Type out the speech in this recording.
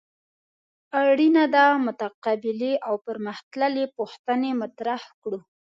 اړینه ده متقابلې او پرمخ تللې پوښتنې مطرح کړو.